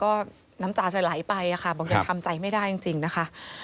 ก็น้ำตาจะไหลไปค่ะบอกยังทำใจไม่ได้จริงนะคะ